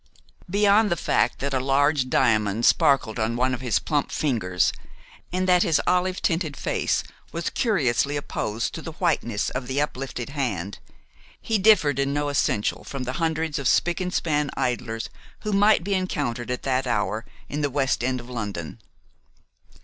Beyond the fact that a large diamond sparkled on one of his plump fingers, and that his olive tinted face was curiously opposed to the whiteness of the uplifted hand, he differed in no essential from the hundreds of spick and span idlers who might be encountered at that hour in the west end of London.